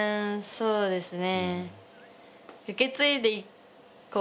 そうですね。